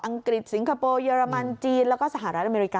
กฤษสิงคโปร์เยอรมันจีนแล้วก็สหรัฐอเมริกา